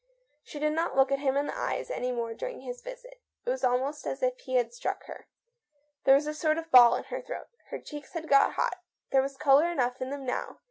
She did not look at him in the eyes any more during his visit. It was almost as if he had struck her. There was a sort of ball in her throat. Her cheeks had got hot; there was colour enough in them now.